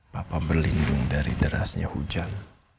papa berlindung dari derasnya hujan